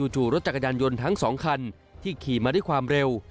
จู่รถจักรยานยนต์ทั้ง๒คันที่ขี่มาด้วยความเร็ว